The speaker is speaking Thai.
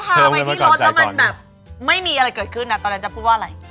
พี่ต้องถ้าพาไปที่รถแล้วมันแบบไม่มีอะไรเกิดขึ้นนะตอนแรกจะพูดว่าอะไร